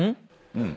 うん。